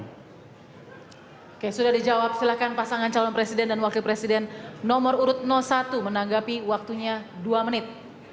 oke sudah dijawab silahkan pasangan calon presiden dan wakil presiden nomor urut satu menanggapi waktunya dua menit